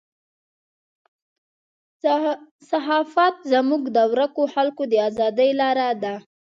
صحافت زموږ د ورکو خلکو د ازادۍ لاره ده.